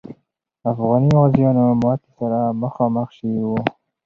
افغاني غازیان ماتي سره مخامخ سوي وو.